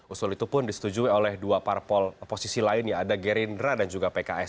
usul itu pun disetujui oleh dua parpol posisi lain ya ada gerindra dan juga pks